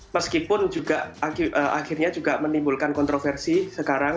meskipun juga akhirnya juga menimbulkan kontroversi sekarang